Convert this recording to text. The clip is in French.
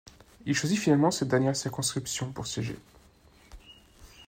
Il choisit finalement cette dernière circonscription pour siéger.